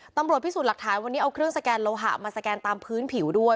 ตำรวจพิสูจน์หลักฐานวันนี้เอาเครื่องสแกนโลหะมาสแกนตามพื้นผิวด้วย